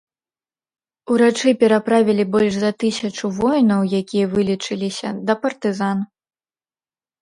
Урачы пераправілі больш за тысячу воінаў, якія вылечыліся, да партызан.